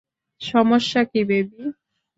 সমস্যা কি, বেবি?